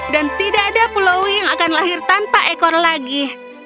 dan tidak ada pulaui yang akan lahir tanpa ekor lagi